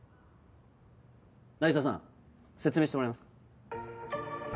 凪沙さん説明してもらえますか？